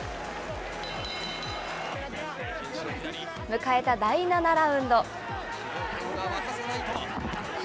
迎えた第７ラウンド。